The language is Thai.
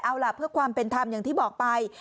เอาล่ะเพื่อความเป็นธรรมอย่างที่บอกไป